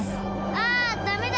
あダメだ！